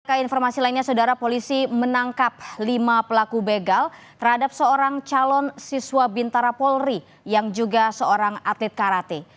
ke informasi lainnya saudara polisi menangkap lima pelaku begal terhadap seorang calon siswa bintara polri yang juga seorang atlet karate